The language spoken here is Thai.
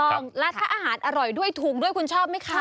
ถูกต้องแล้วถ้าอาหารอร่อยด้วยถูกด้วยคุณชอบไหมคะ